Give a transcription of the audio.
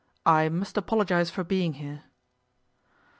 'I must apologize for being here.